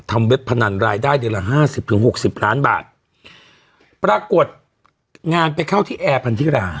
เว็บพนันรายได้เดือนละห้าสิบถึงหกสิบล้านบาทปรากฏงานไปเข้าที่แอร์พันธิรา